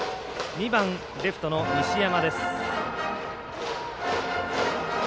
２番、レフトの西山。